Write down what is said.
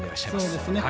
そうですね。